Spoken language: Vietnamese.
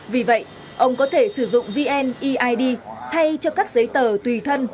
vì vậy ông có thể sử dụng vneid thay cho các giấy tờ tùy thân